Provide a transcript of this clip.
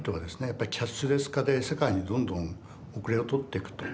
やっぱりキャッシュレス化で世界にどんどん後れを取ってくと。